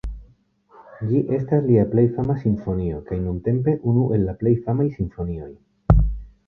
Ĝi estas lia plej fama simfonio, kaj nuntempe unu el la plej famaj simfonioj.